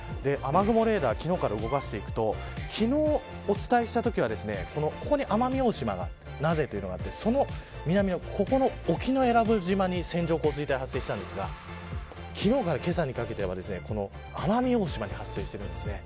雨雲レーダー昨日から動かしていくと昨日、お伝えしたときはここに奄美大島が名瀬というのがあって沖永良部島に線状降水帯が発生したんですが昨日からけさにかけては奄美大島に発生しています。